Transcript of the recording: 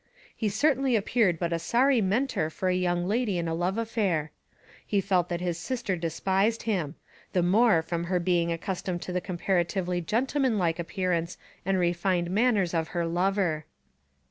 He certainly appeared but a sorry Mentor for a young lady in a love affair! He felt that his sister despised him, the more from her being accustomed to the comparatively gentleman like appearance and refined manners of her lover.